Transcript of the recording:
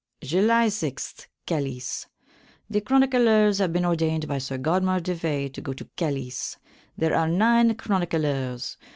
July 6, Calys. The chronyclers have been ordayned by Sir Godmar de Fay to go to Calys. There are nine chronyclers.